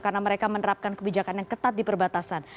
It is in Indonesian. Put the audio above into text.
karena mereka menerapkan kebijakan yang ketat di perbatasan